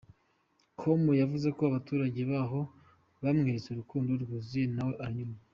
com yavuze ko abaturage baho bamweretse urukundo rwuzuye nawe aranyurwa.